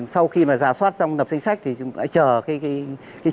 sau khi mà rà soát xong nập danh sách thì chúng ta chờ cái